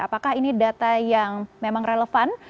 apakah ini data yang memang relevan